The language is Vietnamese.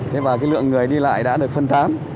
thế và lượng người đi lại đã được phân tám